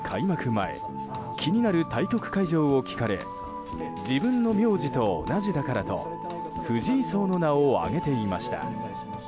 前気になる対局会場を聞かれ自分の名字と同じだからと藤井荘の名を挙げていました。